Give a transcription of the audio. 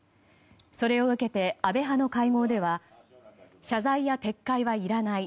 それを受けて、安倍派の会合では謝罪や撤回はいらない。